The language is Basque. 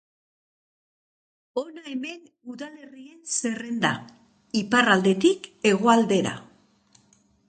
Hona hemen udalerrien zerrenda, iparraldetik hegoaldera.